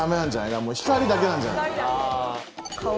だからもう光だけなんじゃない？